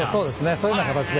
そういうような形で。